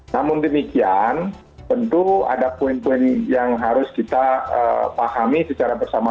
namun demikian tentu ada poin poin yang harus kita pahami secara bersama